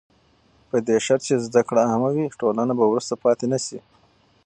په دې شرط چې زده کړه عامه وي، ټولنه به وروسته پاتې نه شي.